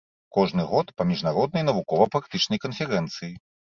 Кожны год па міжнароднай навукова-практычнай канферэнцыі.